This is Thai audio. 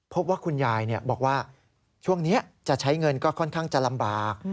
พบว่าคุณยายบอกว่าช่วงนี้จะใช้เงินก็ค่อนข้างจะลำบาก